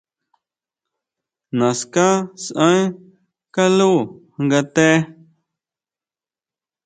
Naská sʼaen kaló nga té.